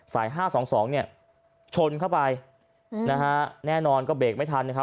ห้าสองสองเนี่ยชนเข้าไปนะฮะแน่นอนก็เบรกไม่ทันนะครับ